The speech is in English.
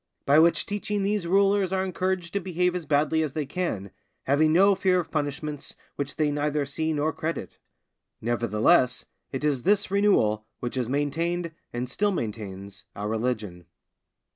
By which teaching these rulers are encouraged to behave as badly as they can, having no fear of punishments which they neither see nor credit. Nevertheless, it is this renewal which has maintained, and still maintains, our religion.